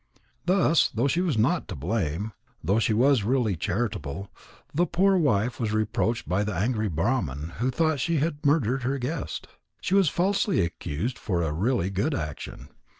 Thus, though she was not to blame, though she was really charitable, the poor wife was reproached by the angry Brahman who thought she had murdered her guest. She was falsely accused for a really good action.